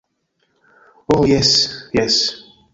Ho jes, jes.